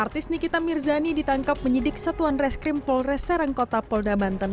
artis nikita mirzani ditangkap menyidik satuan reskrim polres serangkota polda banten